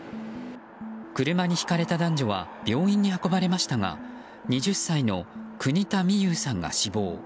車にひかれた男女は病院に運ばれましたが２０歳の国田美佑さんが死亡。